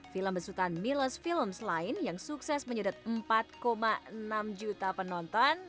film besutan milos films lain yang sukses menyedot empat enam juta penonton